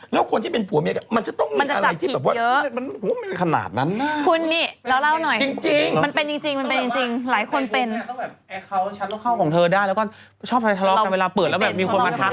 แล้วคนที่เป็นผัวเมียก็จะต้องมีอะไร